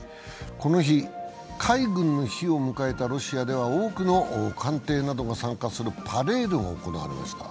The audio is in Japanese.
この日海軍の日を迎えたロシアでは多くの艦艇などが参加するパレードが行われました。